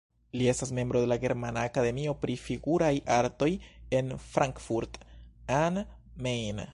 Li estas membro de la Germana akademio pri figuraj artoj en Frankfurt am Main.